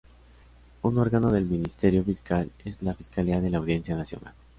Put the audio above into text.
Un órgano del Ministerio Fiscal es la "Fiscalía de la Audiencia Nacional".